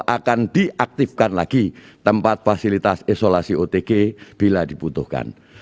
akan diaktifkan lagi tempat fasilitas isolasi otg bila dibutuhkan